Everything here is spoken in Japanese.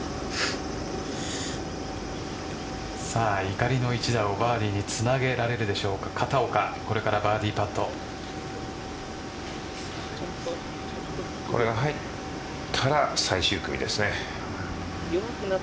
怒りの一打を、バーディーにつなげられるでしょうか、片岡これが入ったら最終組ですね。